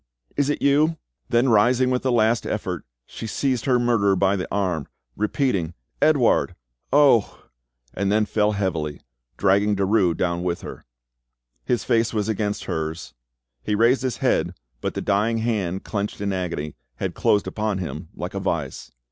—is it you?" Then rising with a last effort, she seized her murderer by the arm, repeating, "Edouard!—oh!" and then fell heavily, dragging Derues down with her. His face was against hers; he raised his head, but the dying hand, clenched in agony, had closed upon him like a vise.